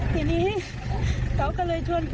ทีนี้เขาก็เลยชวนเขา